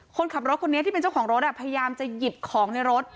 คนขับรถคนนี้ที่เป็นเจ้าของรถพยายามจะหยิบของในรถ